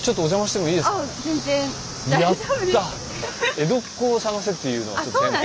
江戸っ子を探せっていうのがテーマで。